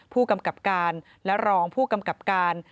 ผู้กำกับการและรองผู้กำกับการ